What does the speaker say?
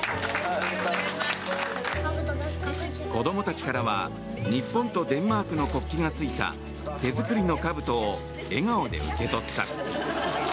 子どもたちからは日本とデンマークの国旗がついた手作りのかぶとを笑顔で受け取った。